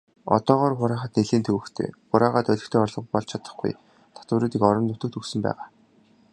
Одоогоор хураахад нэлээн төвөгтэй, хураагаад олигтой орлого болж чадахгүй татваруудыг орон нутагт өгсөн байгаа.